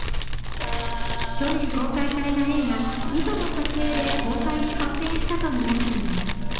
去年公開された映画「糸」の撮影で交際に発展したとみられています。